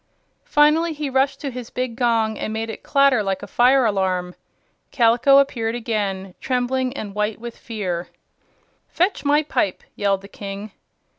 Finally he rushed to his big gong and made it clatter like a fire alarm. Kaliko appeared again, trembling and white with fear. "Fetch my pipe!" yelled the King.